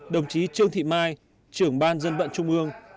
đồng chí trương thị mai trưởng ban dân vận trung ương